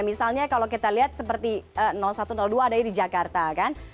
misalnya kalau kita lihat seperti satu dua adanya di jakarta kan